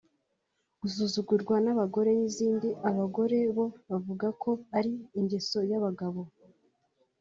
gusuzugurwa n’abagore n’izindi ; abagore bo bavuga ko ari ingeso y’abagabo